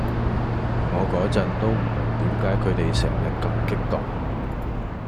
我個陣都唔明點解佢哋成日咁激動⠀